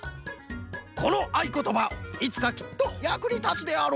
このあいことばいつかきっとやくにたつであろう！